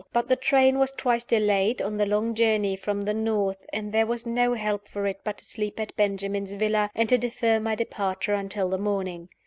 But the train was twice delayed on the long journey from the North; and there was no help for it but to sleep at Benjamin's villa, and to defer my departure until the morning.